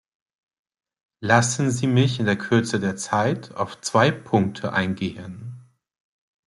Lassen Sie mich in der Kürze der Zeit auf zwei Punkte eingehen.